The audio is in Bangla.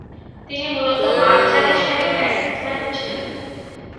তিনি মূলতঃ মাঝারিসারির ব্যাটসম্যান ছিলেন।